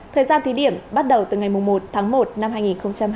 thời gian thí điểm bắt đầu từ ngày một tháng một năm hai nghìn hai mươi